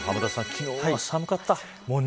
昨日は寒かったですね。